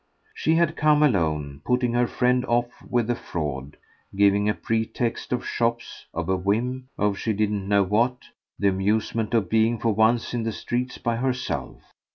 She had come alone, putting her friend off with a fraud: giving a pretext of shops, of a whim, of she didn't know what the amusement of being for once in the streets by herself.